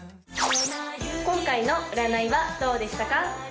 今回の占いはどうでしたか？